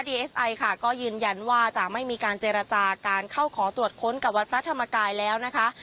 เอสไอค่ะก็ยืนยันว่าจะไม่มีการเจรจาการเข้าขอตรวจค้นกับวัดพระธรรมกายแล้วนะคะ